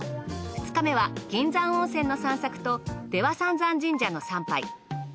２日目は銀山温泉の散策と出羽三山神社の参拝。